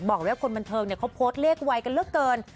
บอกเลยว่าคนบันเทิงเขาโพสต์เลขวัยกันเลอะเกิน